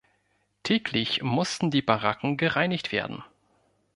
Täglich mussten die Baracken gereinigt werden.